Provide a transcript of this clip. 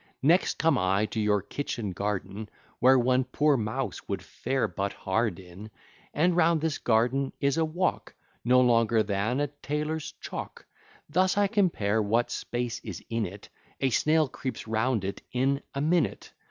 Next come I to your kitchen garden, Where one poor mouse would fare but hard in; And round this garden is a walk No longer than a tailor's chalk; Thus I compare what space is in it, A snail creeps round it in a minute.